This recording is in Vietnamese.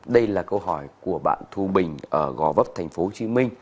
đây là câu hỏi của bạn thu bình ở gò vấp tp hcm